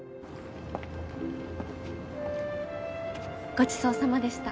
ごちそうさまでした。